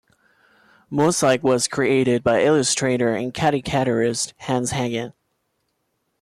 "Mosaik" was created by illustrator and caricaturist Hannes Hegen.